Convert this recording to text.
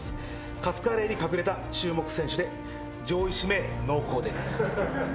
カツカレーに隠れた注目選手で上位指名濃厚であります。